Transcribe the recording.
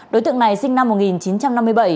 đối tượng này sinh năm một nghìn chín trăm năm mươi bảy